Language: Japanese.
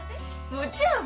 もちろん！